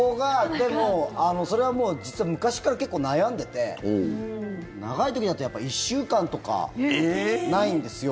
でも、それは実は昔から結構悩んでて長い時だと１週間とかないんですよ。